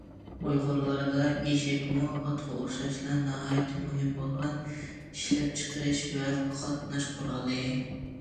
ئۇيغۇرلاردا ئېشەكمۇ ئاتقا ئوخشاشلا ناھايىتى مۇھىم بولغان ئىشلەپچىقىرىش ۋە قاتناش قورالى.